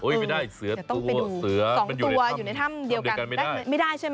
อยู่ในถ้ำเดียวกันไม่ได้